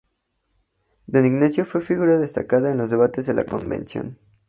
Don Ignacio fue figura destacada en los debates de la Convención.